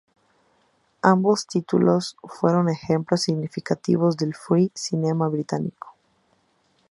Ambos títulos fueron ejemplos significativos del free cinema británico.